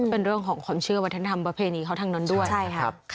เป็นเรื่องของความเชื่อวัฒนธรรมประเพณีเขาทางนั้นด้วยใช่ครับ